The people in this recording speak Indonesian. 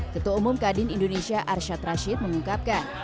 ketua umum kadin indonesia arsyad rashid mengungkapkan